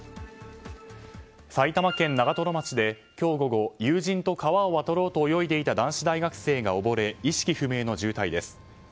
埼玉県長瀞町で友人と川を渡ろうと泳いでいた男子大学生が溺れ意識不明の重体です。